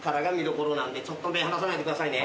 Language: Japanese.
ちょっと目離さないでくださいね。